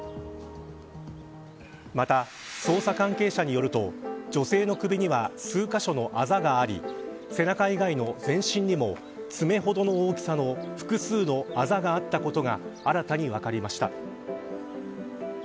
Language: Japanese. また、捜査関係者によると女性の首には数カ所のあざがあり背中以外の全身にも爪ほどの大きさの複数のあざがあったことが新たに分かりました。